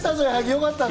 よかったな。